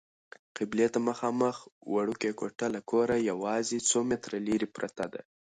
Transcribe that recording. قبلې ته مخامخ وړوکې کوټه له کوره یوازې څو متره لیرې پرته ده.